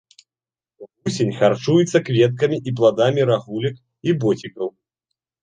Вусень харчуецца кветкамі і пладамі рагулек і боцікаў.